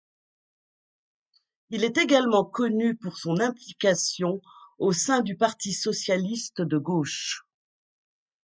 Il est également connu pour son implication au sein du Parti socialiste de gauche.